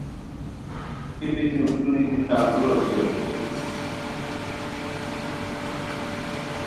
ای بیتی اوشٹوری بی تان دورا بی اسونی